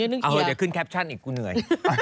เดี๋ยวขึ้นแคปชั่นอีกกูเหนื่อย